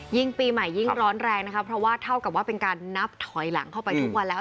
ยิ่งปีใหม่ยิ่งร้อนแรงนะครับเพราะว่าเท่ากับว่าเป็นนับถอยหลั่งทุกวันแล้ว